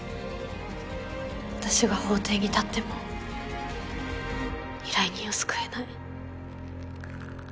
私が法廷に立っても依頼人を救えない。